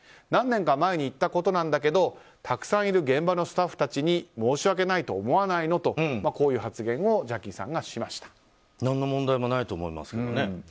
何年か前に言ったことなんだけどたくさんいる現場のスタッフに申し訳ないと思わないの？とこういう発言を何の問題もないと思いますけど。